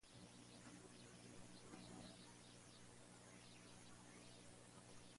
Samuel Burke nació y fue criado en Phoenix, Arizona.